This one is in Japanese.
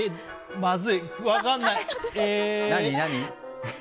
まずい、分かんない。